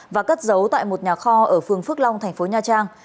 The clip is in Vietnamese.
và cất giấu tại một nhà kho ở phường phước long thành phố nha trang